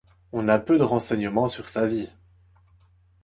On a peu de renseignements sur sa vie.